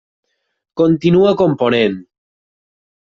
Continua component.